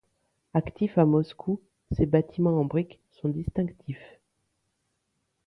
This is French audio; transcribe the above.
Actif à Moscou, ses bâtiments en briques sont distinctifs.